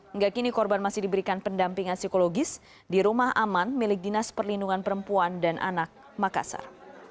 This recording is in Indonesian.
enggak kini korban masih diberikan pendampingan psikologis di rumah aman milik dinas perlindungan perempuan dan anak makassar